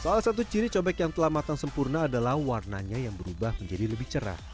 salah satu ciri cobek yang telah matang sempurna adalah warnanya yang berubah menjadi lebih cerah